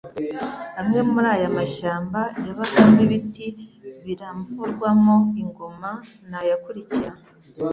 amwe muri ayo mashyamba yabagamo ibiti biramvurwamo ingoma ni aya akurikira :